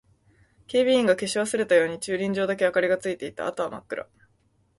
警備員が消し忘れたように駐輪場だけ明かりがついていた。あとは真っ暗。